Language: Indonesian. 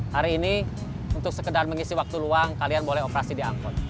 hari ini untuk sekedar mengisi waktu luang kalian boleh operasi di angkot